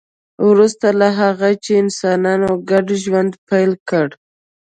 وروسته له هغه چې انسانانو ګډ ژوند پیل کړ